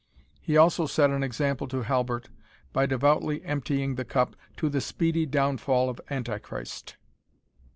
He also set an example to Halbert, by devoutly emptying the cup "to the speedy downfall of Anti Christ."